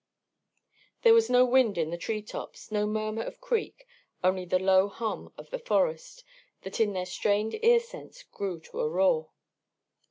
There was no wind in the tree tops, no murmur of creek, only the low hum of the forest, that in their strained ear sense grew to a roar.